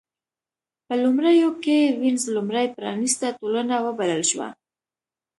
په لومړیو کې وینز لومړۍ پرانېسته ټولنه وبلل شوه.